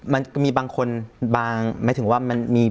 มันมีบางคนบางหมายถึงว่ามันมี